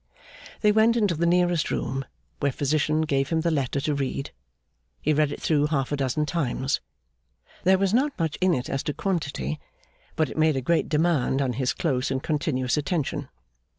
They went into the nearest room, where Physician gave him the letter to read. He read it through half a dozen times. There was not much in it as to quantity; but it made a great demand on his close and continuous attention.